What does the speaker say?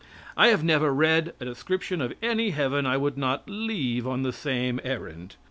I have never read a description of any heaven I would not leave on the same errand.